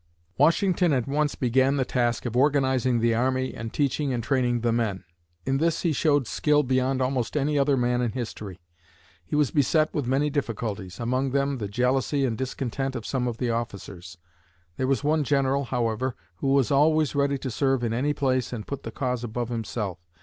Washington at once began the task of organizing the army and teaching and training the men. In this he showed skill beyond almost any other man in history. He was beset with many difficulties, among them the jealousy and discontent of some of the officers. There was one general, however, who was always ready to serve in any place and put the cause above himself.